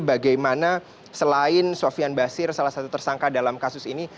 bagaimana selain sofian basir salah satu tersangka dalam kasus ini